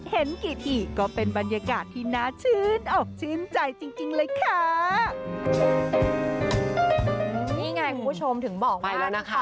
เห็นกี่ทีเป็นบรรยากาศที่น้าชื้นอบชื่นใจจริงเลยคะ